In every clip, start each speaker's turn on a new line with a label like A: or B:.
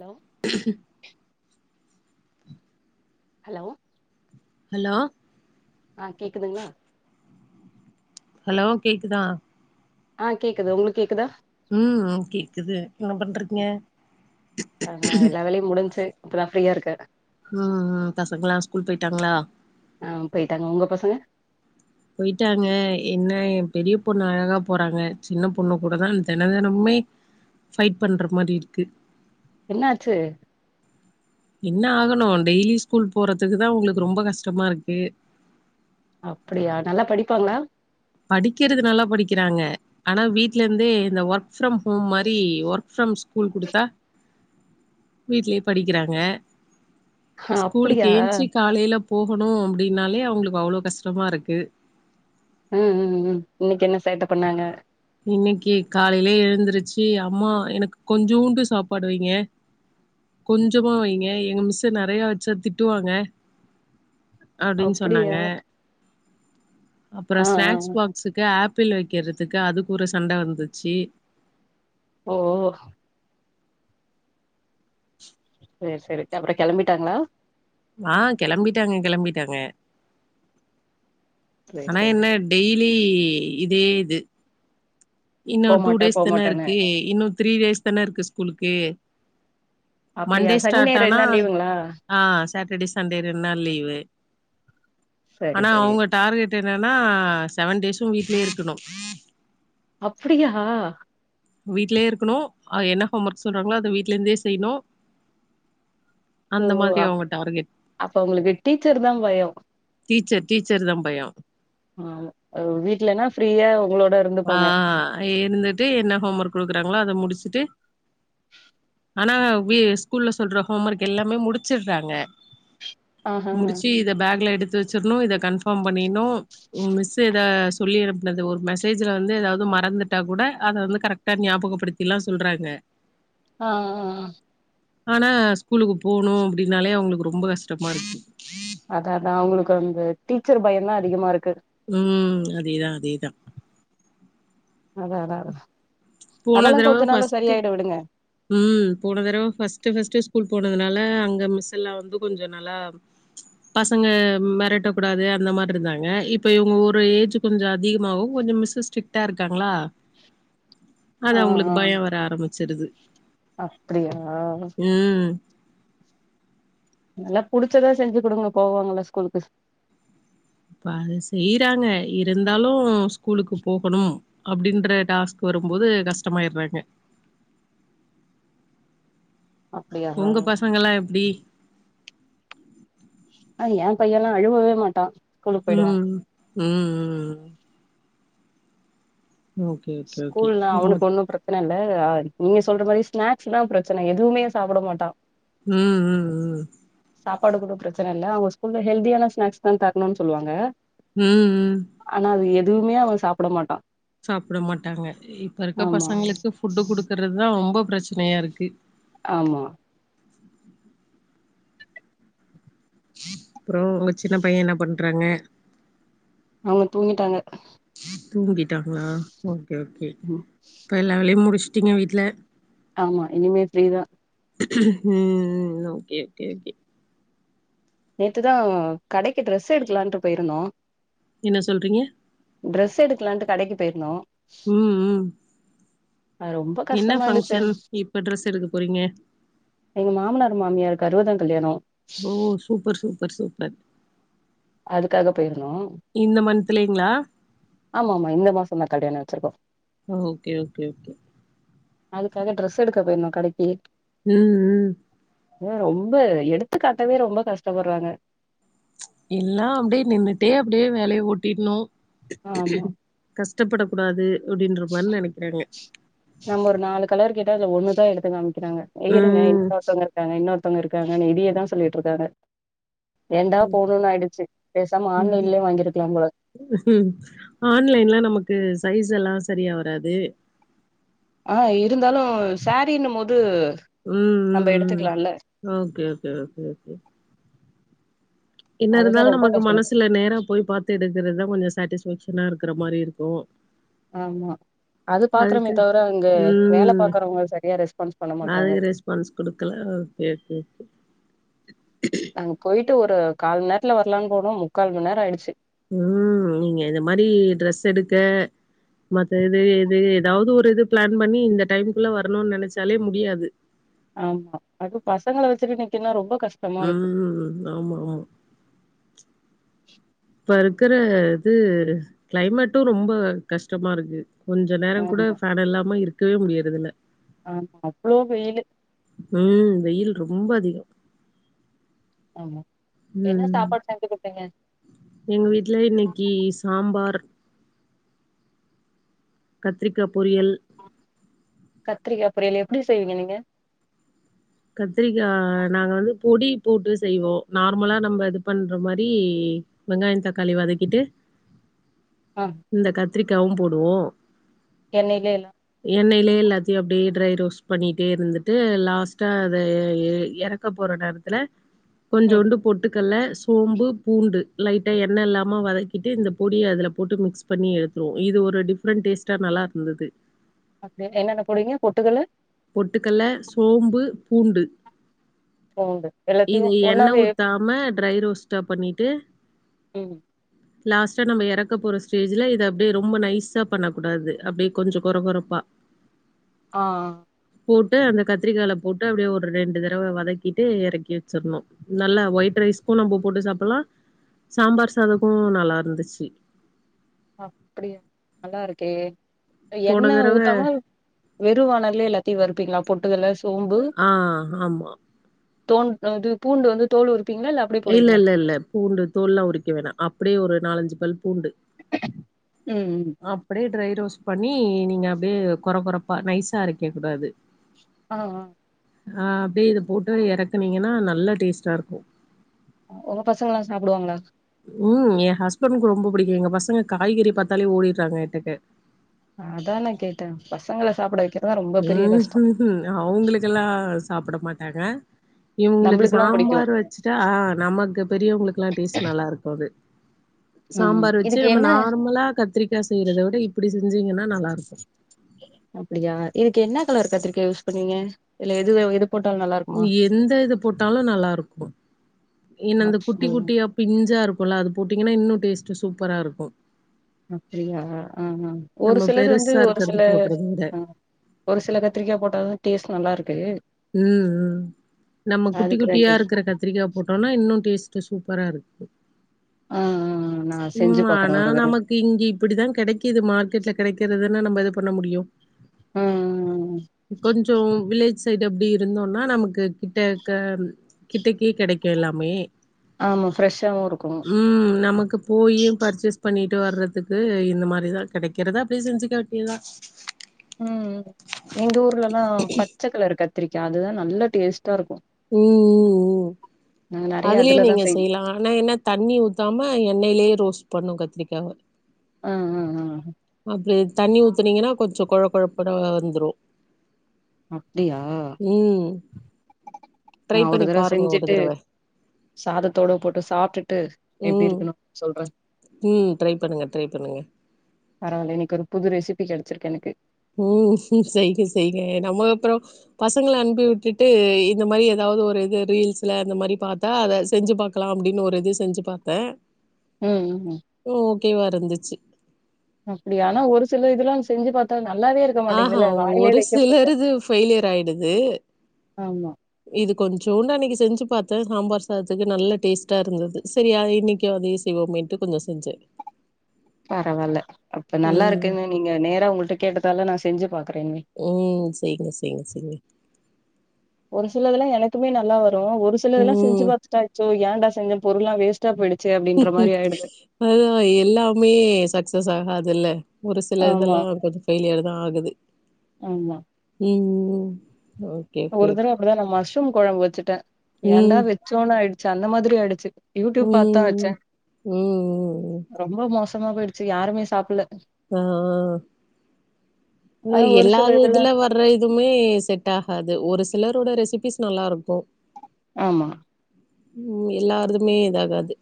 A: Hello hello
B: hello
A: ஆ கேக்குதுங்ளா
B: hello கேக்குதா
A: ஆ கேக்குது உங்ளுக்கு கேக்குதா
B: ம் கேக்குது என்ன பண்றீங்க
A: ஆ ஹா எல்லா வேலையு முடிஞ்சு இப்ப தா ஃப்ரீயாருக்க
B: ம் ம் பசங்கலா ஸ்கூல் போயிட்டாங்ளா
A: ஆ பேய்டாங்க உங்க பசங்க
B: போய்ட்டாங்க என்ன ஏன் பெரிய பொண்ணு அழகா போறாங்க சின்ன பொண்ணு கூடதா தென தெனமுமே ஃபைட் பண்ற மாரிருக்கு
A: என்னாச்சு
B: என்ன ஆகணு டெய்லி ஸ்கூல் போறத்துக்கு தா அவுங்களுக்கு ரொம்ப கஷ்டமாருக்கு
A: அப்டியா நல்லா படிப்பாங்ளா
B: படிக்கறது நல்லா படிக்றாங்க ஆனா வீட்லேருந்தே இந்த ஒர்க் ஃப்ரம் ஹோம் மாரி ஒ ஃப்ரம் ஸ்கூல் குடுத்தா வீட்லே படிக்றாங்க
A: ஆ, அப்படியா
B: ஸ்கூலுக்கு என்ச்சு காலேல போகுணு அப்டின்னாலே அவங்களுக்கு அவ்ளோ கஷ்டமாருக்கு
A: ம் ம் ம் இன்னைக்கு என்ன சேட்ட பண்ணாங்க
B: இன்னைக்கு காலைல எந்துருச்சு அம்மா எனக்கு கொஞ்சோண்டு சாப்பாடு வைங்க கொஞ்சமா வைங்க எங்க மிஸ்ஸு நெறைய வச்சா திட்டுவாங்க அப்டின்
A: அப்படியா
B: சொன்னாங்க அப்புற
A: ஆ ஆ
B: ஸ்நாக்ஸ் பாக்ஸுக்கு ஆப் பில் வைக்கறதுக்கு அது ஒரு சண்ட வந்துச்சு
A: ஓ ஒ செரி செரி அப்ற கெளம்பிட்டாங்ளா
B: ஆ கெளம்பிட்டாங்க கெளம்பிட்டாங்க
A: சரி
B: ஆனா
A: சரி
B: என்ன டெய்லி இதே இது இன்னு டூ
A: போமாட்டே
B: டேஸ்
A: போமாட்டேன்னு
B: தானருக்கு இன்னு த்ரீ டேஸ் தானருக்கு ஸ்கூலு ம்
A: அப்படியா
B: மண்டே
A: சனி ஞாயிறு ரெண்டு
B: ஸ்டார்ட்டானா
A: நாள் லீவுங்களா
B: ஆ சாட்டர்டே சண்டே ரெண்டு நாள் லீவு
A: சரி
B: ஆனா
A: சரி
B: அவங்க டார்கெட் என்னன்னா செவன் டேஸும் வீட்லயே இருக்கணும்
A: அப்படியா
B: வீட்லே இருக்கணும் என்ன ஹோம் ஒர்க் சொல்றாங்களோ அதை வீட்ல இருந்தே செய்யணும்
A: ஓ அப் அப்ப உங்களுக்கு டீச்சர் தான் பயம்
B: டீச்சர் டீச்சர் தான் பயம்
A: ஆஹ் வீட்லனா ஃப்ரீயா உங்களோட இருந்துப்பாங்க
B: ஆஹ் இருந்துட்டு என்ன ஹோம் ஒர்க் கொடுக்குறாங்களோ அதை முடிச்சுட்டு ஆனா வீ ஸ்கூல்ல சொல்ற ஹோம் ஒர்க் எல்லாமே முடி ச்சுடுறாங்க
A: ஆஹ
B: முடிச்சு இத பேக்ல எடுத்து வச்சிடணும் இதை கன்ஃபார்ம் பண்ணிடணும் மிஸ் ஏதா சொல்லி இருந்து ஒரு மெ ஸஜுல வந்து ஏதாவது மறந்துட்டா கூட அதை வந்து கரெக்டா ஞாபகப்படுத்திலாம் சொல்றாங்க
A: ஆஹ் ஆஹ்
B: ஆனா ஸ்கூலுக்கு போனும் அப்படின்னாலே அவங்களுக்கு ரொம்ப கஷ்டமா இருக்கு
A: அதாதான் அவங்களுக்கு வந்து டீச்சர் பயம் தான் அதிகமா இருக்கு
B: உம் அதேதான் அதேதான்
A: அதாதான் அதெல்லாம் கொஞ்ச நாள்ள சரியாயிடு விடுங்க
B: உம் போன தரவ ஃபஸ்ட் ஃபஸ்டு ஸ்கூல் போனதுனால அங்க மிஸ்லாம் வந்து கொஞ்சம் நல்லா பசங்க மிரட்ட கூடாது அந்த மாதிரி இருந்தாங்க இப்ப இவங்க ஒரு ஏஜ் கொஞ்சம் அதிகமாகும் கொஞ்சம் மிஸு ஸ்ட்ரிக்டா இருக்காங்களா அதான் அவங்களுக்கு பயம் வர ஆரம்பிச்சு சரிது
A: அப்படியா
B: ம்.
A: நல்லா புடிச்சதான் செஞ்சு கொடுங்க போவாங்களா ஸ்கூலுக்கு
B: இப்ப அது செய்யறாங்க இருந்தாலும் ஸ்கூலுக்கு போகணும் அப்படின்ற டாஸ்க் வரும்போது கஷ்டமாயடுறாங்க
A: அப்டியா
B: உங்க பசங்கலாம் எப்டி
A: அஹ் என் பையன்லாம் அழுவவே மாட்டான்
B: உம் உம் உம் ஓகே, ஓகே.
A: ஸ்கூல்
B: ம்,
A: அவனுக்கு
B: ம்,
A: ஒன்னும் பிரச்சனை நல்ல ஆர் நீங்க சொல்ற மாரி ஸ்நேக்ஸ் தா பிரச்சன எதுவுமே சாப்புட மாட்டா
B: உம் உம் உம்
A: சாப்பாடு கூட பிரச்சன இல்ல அவங்க ஸ்கூல்ல ஹெல்தியான ஸ்னேக்ஸ் தா தரணுன் சொல்லுவாங்க
B: உம் உம்
A: தூமே அவ சாப்டமாட்டா
B: சாப்டமாட்டாங்க இப்பருக்க பசங்களுக்கு ஃபுட்டு குடுக்கறது தா ரொம்ப ப்ரச்னையாருக்கு
A: ஆமா
B: [inaudible] அப்றோ உங்க சின்ன பைய என்ன பண்றாங்க
A: அவங்க தூங்கிட்டாங்க
B: தூங்கிகிட்டாங்களா ஓகே ஓகே இப்ப எல்லா வேலையூ முடிச் டீங்க வீட்ல
A: ஆமா இனிமே ஃப்ரீதா
B: ம் நோகே ஓகே ஓகே
A: நேத்துதா கடைக்கு ட்ரெஸ் எடுக்கலான்ட்டு போயிருந்தோ
B: என்ன சொல்றீங்க
A: ட்ரெஸ் எடுக்கலான்ட்டு கடைக்கு போயிருந்தோ
B: உம் உம்
A: அது ரொம்ப கஷ்டமாயிடுச்சே
B: ட்ரெஸ் எடுக்க போறீங்க
A: எங்க மாமனார் மாமியார்க் அறுவதாங் கல்யாணோ
B: ஓ சூப்பர் சூப் பர் சூப்பர்
A: அதுக்காக போயிர்ந்தோ
B: இந்த மந்த்லேங்களா
A: ஆமாமா இந்த மாசோந்தா கல்யாண செர்போ
B: ஓ ஓகே ஓகே ஓகே
A: அதுக்காக ட்ரெஸ் எடுக்க போயிருந்தோ கடைக்கி
B: ம் ம்
A: தோ ரொம்ப எடுத்துக் காட்டவே ரொம்ப கஷ்டப்படுறாங்க
B: எல்லா அப்டே நின்னுட்டே அப்டே வேலய ஓட்டிட்ணூ
A: ஆமா
B: கஸ் டப்படக்கூடாது
A: நம்ம ஒரு நாலு கலர் கேட் த ஒன்னு தா எடுத்தே நான் ங்க இருங்க
B: ம்
A: இன்னொருத்தங்க இருக்காங்க இன்னொருத் ஒருத்தவங்க இருக்காங்கன்னு இதியே தா சொல்லிட்ருக்காங்க ஏன்டா போணோன் ஆயிடுச்சு பேசாம ஆன்லைன்லயே வாங்கிருக்கலாம் போல
B: சைஸெல்லா சரியா வராது
A: ஆ இருந்தாலு சரீன்னும் போது
B: ம்
A: நம்ம
B: ம் ம்
A: எடுத்துக்கலால்ல
B: ஆ கேக்குது கேக்குது என்ன
A: அதுதா
B: இருந்தாலு
A: ரொம்ப
B: நமக்கு
A: கஷ்டமாச்சு
B: மனசுல நேரா போய் பாத்து எடுக்கிறதுதா கொஞ்ச சேட்டிஸ்ஃபேக்ஷன் நல்லா இருக்கிற மாரி இருக்கு
A: ஆமா அது பாக்றமே
B: அதுக்கு
A: தவர அங்க வேல
B: ம்
A: பாக்குறவங்க சரியா ரெஸ்பான்ஸ் பண்ண மாட்றாங்க
B: அதுக்கு ரெஸ்பான்ஸ் குடுக்கல ஓகே ஓகே
A: அங்க பொயிட் ட்டு ஒரு கால்மண் நேரத்ல வரலானு போணோ முக்கால் மண்ணேர ஆயிடுச்சு
B: உம் நீங்க இந்த மாரி ட்ரெஸ் எடுக்க மத்த இது இது எதாவது ஒரு இது பிளான் பண்ணி இந்த டைம்குள்ள வரணுன் நெனச்சாலே முடியாது
A: ஆமா அது பசங்கள வச்சுட்டு நிக்குன்னா ரொம்ப கஷ்டமா இருக்கு
B: உம் ஆமா ஆமா
A: [inaudible]
B: இப்ப இருக்குற இது கிளைமேட்டு ரொம்ப கஷ்டமா இருக்கு கொஞ்ச நேரொ கூட ஃபேனில்லாம இருக் கவே முடியறதுல்ல
A: ஆ அவ்ளோ வெயிலு
B: ம் வெயில் ரொம்ப அதிகொ
A: ஆமா என்ன சாப்பாடு செஞ்சி குடுத்திங்க
B: எங்க வீட்ல இன்னைக்கி சாம்பார் கத்ரிக்கா பொரியல்
A: கத்ரிக்கா பொரியல் எப்டி செய்விங்க நீங்க
B: கத்ரிக்கா நாங்க வந்து பொடி போட்டு செய்வோ நார்மலா நம்ம இது பண்ற மாரி வெங்காயொ தக்காளி வதக்கிட்டு
A: ஆ
B: இந்த கத் த்ரிக்காவு போடுவோ
A: எண்ணைலே எல்லா
B: எண்ணைலே எல்லாத்தயு அப்டீ ட்ரை ரோஸ்ட் பண்ணிட்டே இருந்துட்டு லாஸ்ட் டா அத எ எ எறக்க போற நேரத்துல
A: ம்
B: கொஞ்சோண்டு போட்டு கல்ல சோம்பு பூண்டு லைட்டா எண்ண இல்லாம வதக்கிட்டு இந்த பொடிய அதுல போட்டு மிக்ஸ் பண்ணி எடுத்தோனா இது ஒரு டிஃப்ரெண்ட் டேஸ்ட்டா நல்லா இருந்தது
A: அப்டியா என்னென்ன போடுவிங்க பொட்டுக்கல்ல
B: பொட்டுக்கல்ல சோம்பு பூண்டு
A: பூண்டு எல்லாத்தையு
B: இத எண்ண
A: ஒன்னாவே
B: ஊத்தாம ட்ரை ரோஸ்டா பண்ணிட்டு
A: ம்
B: லாஸ்ட்டா நம்ம எறக்கப் போற ஸ்டேஜ்ல இத அப்டியே ரொம்ப நைஸா பண்ண கூடாது அப்டியே கொஞ்ச கொற கொறப்பா
A: ஆஹ்
B: போட்டு அந்த கத்ரிக்கால போட்டு அப்டியே ஒரு ரெண்டு தடவை வதக்கிட்டு எறக்கி வச்சிர்ணு நல்லா ஒயிட் ரைஸ்க்கு நம்ம போட்டு சாப்புட்லா சாம்பார் சாதக்கு நல்லா இருந்துச்சு
A: அப்டியா நல்லாருக்கே
B: போன
A: எண்ண
B: தடவ
A: ஊத்தம வெறு வானல்லேல டீ வறுப்பிங்ளா பொட்டுக்கல
B: ஆஹ்ஹ ஆமா
A: தோண்றது பூண்டு வந்து தோல் உரி
B: இல்ல- லல்- லல்- ல பூண்டு தோல்லா உரிக்க வேண்டா அப்டியே ஒரு நாலஞ்சு பல் பூண்டு
A: ம் ம்
B: அப்டியே ட்ரய் ரோஸ்ட் பண்ணி நீங்க அப்டியே கொற கொறப்பா நைசா அரைக்க கூடாது
A: ஆஹ் ஆஹ்
B: ஆம் ப்டியே இத போட்டு இறக்குனீங்கன்னா நல் நல்ல டேஸ்ட்டா இருக்கு
A: உங்க பசங்கல்லாம் சாப்பிடுவாங்களா
B: உம் என் ஹஸ்பண்ட்க்கு ரொம்ப பிடிக்கு எங்க பசங்க காய்கறிய பார்த்தாலே ஓடிடுறாங்க எட்டக்க
A: அதான கேட்டேன் பசங்களை சாப்பிட வெக்
B: ம்ஹு ஹு ஹும் அவங்களுக்கெல்லா சாப்பிட மாட் ஆக இவங்களுக்கு
A: நம்பளுக்கெல்லா புடிக்கு
B: சாம்பார் வச்சுட்டா நமக்கு பெரியவங்களுக்குல்லாம் டேஸ்ட் நல்லா இருக்கு அது
A: ம்
B: சாம்பார் வச்சு
A: இதுக்கு
B: நம்ம
A: என்ன
B: நார்மலா கத்திரிக்கா செய்யறதை விட இப்டி செஞ்சீங்கன்னா நல்லா இருக்கு
A: அப்டியா இதுக்கு என்னா கலர் கத்திரிக்கா யூஸ் பண்ணுவீங்க இல்ல எதுவே இது
B: இ எந்த இத போட்டாலும் நல்லா இருக்கு ஏன்ன அந்த குட்டி
A: அப்டியா
B: குட்டியா பிஞ்சா இருக்கும்ல்ல அது போட்டீங்கன்னா இன்னு டேஸ்ட்டு சூப்பரா இருக்கு
A: அப்படியா ஆஹ்ஹ ஒரு
B: நம்ம
A: சிலது வந்து
B: பெருசா
A: ஒரு
B: இருக்கறது
A: சில
B: போட்றத விட
A: ஆஹ் ஒரு சில கத்திரிக்கா போட்டாதான் டேஸ்ட் நல்லா இருக்கு
B: உம் உம் நம்ம குட்டி
A: அதுக்குதா
B: குட்டியா
A: கேட்டே
B: இருக்கற கத்திரிக்கா போட்டோன்னா இன்னு டேஸ்ட் சூப்பரா இருக்குது
A: ஆ ஆ நா செஞ்சு
B: உம்
A: பாக்குறே
B: ஆனா
A: ஒரு தடவ
B: நமக்கு இங்க இப்பிடிதான் கிடைக்குது மார்க்கெட்ல கிடைக்கிறது ன்ன நம்ம எது பண்ண முடியு
A: ஆ ஆ
B: கொஞ்சு வில்லேஜ் சைட் அப்படி இருந்தோம்னா நமக்கு கிட்டக்க கிட்டக்கே கிடைக்கு எல்லாமே
A: ஆமா ஃப்ரெஷ்ஷாவு இருக்கு
B: உம் நமக்கு போயி பர்ச்சேஸ் பண்ணிட் ட்டு வர்றதுக்கு இந்த மாரிதான் கிடைக்கறத அப்படியே செஞ்சுக்க வேட்டியதான்
A: உம்ம் எங்க ஊர்ல்லதா பச்சைக்கலர் கத் தரிக்கா அதுதான் நல்ல டேஸ்ட்
B: உம் உம் உம்
A: நாங்க நெறைய
B: அதுலயே
A: அதுலதா
B: நீங்க
A: செய்வோ
B: செய்யலாம் ஆனா என்ன தண்ணி ஊத்தாம எண்ணெய்லயே ரோஸ்ட் பண்ணு கத்திரிக்காவ
A: ஆ ஆ ஆ ஆ
B: ப்படி தண்ணி ஊத்துனீங்கன்னா கொஞ்ச கொழ கொழப்பட வந்துரு
A: அப்டியா
B: ம்
A: நா
B: ட்ரை
A: ஒரு
B: பண்ணி
A: தரவ
B: பாருங்க ஒரு
A: செஞ்சுட்டு
B: தடவ
A: சாதத்தோட போட்டு சாப்ட்டுட்டு எப்டி
B: ம்
A: இருக்குணு சொல்றே
B: ம் ட்ரை பண்ணுங்க ட்ரை பண்ணுங்க
A: பரவால்ல இன்னைக்கு ஒரு புது ரெசிப்பி கெடச்சிருக்கு எனக்கு
B: உம் சைங்க சைங்க நம்மோப் அப்ரோ பசங்களா அனுப்பி உட்டுட்டு இந்த மாரி ஏதாவது ஒரு இது ரீல்ஸ்ல இந்த மாரி பாத்தா அத செஞ்சு பாக்கலா அப்டின்னு ஒரு இது செஞ்சி பாத்த
A: ம் உம்
B: கேவா இருந்துச்சி
A: அப்டி ஆனா ஒரு சில இதெல்லா செஞ்சி பாத்தான
B: ஆஹா ஒரு சிலர் இது பையிலியர் ஆயிடுது
A: ஆமா
B: இது கொஞ்சோண்டா அன்னைக்கு செஞ்சிப் பாத்த சாம்பார் சாதத்துக்கு நல்ல டேஸ்ட்டா இருந்தது சரியா இன்னைகே அதையே செய்வோமேன்டு கொஞ்ச செஞ்ச
A: பரவால்ல அப்ப நல்லா இருக்கன்னு நீங்க நேரா உங்கள்ட்ட கேட்டதால நா ஸ் டெஞ்சிபா
B: உம் செய்ங்க செய்ங்க செய்ங்க
A: ஒரு சிலதெல்லா எனக்குமே நல்லா வரு ரோ ஒருசிலதுல்லா செஞ்சி
B: ம்
A: பாத்டாய் ஆக்சோய் ஏண்டா செஞ்சோ பொருள்ளா வேஸ்டா போயிடு
B: அதா எல்லாமே சக்சஸ் ஆகா துல்ல ஒரு சில இதெல்லா கொஞ்ச ஃபெயிலியர் நா ஆகுது
A: ஆம்மா
B: ம் உ
A: ஒரு தட அப்டிதா நா மஷ்ரும் கொழம்பு வச்சுட்ட ஏன்டா வச்சோனா ஆயிடு சந்த மாதிரி ஆயிடுச்சி
B: நியூ நியூ
A: தம்மா போயிடுச்சி யாருமே சாப்பல்ல
B: அ ஆ
A: ஆனா ஒரு
B: எல்லா
A: சில
B: இதுல வர்ற இதுவுமே செட்டாகாது த ஒரு சிலரோட ரெசிபிஸ் நல்லாருக்கு
A: ஆமா
B: உம் எல்லார்துமே இதாகாது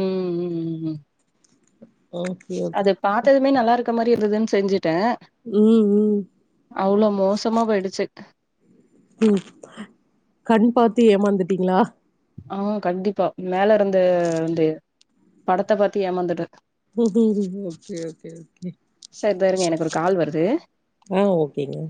A: ம் ம் ம்
B: ஓகே
A: அது
B: ஓகே
A: பாத்ததுமே நல்லாருக் இருக்க மாறி இருந்ததேன் செஞ்சே ட
B: ம் ம்
A: அவ்ளோ மோசமா போயிடுச்சு
B: உம் கண் பாத்து ஏமாந்துடீங்ளா
A: ஆவ் கண்டிப்பா மேல இருந்து வந்து படத்த பாத்து ஏமாந்துட்ட
B: ஓகே ஓகே ஓகே
A: சரி தா இருங்க எனக்கு ஒரு கால் வருது
B: ஆ ஓகேங்க